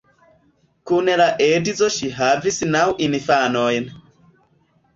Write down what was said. Kun la edzo ŝi havis naŭ infanojn.